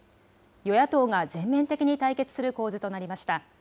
与野党が全面的に対決する構図となりました。